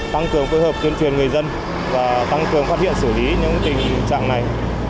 tăng cường phối hợp tuyên truyền người dân và tăng cường phát hiện xử lý những tình trạng này